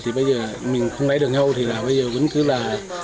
thì bây giờ mình không lấy được nhau thì là bây giờ vẫn cứ là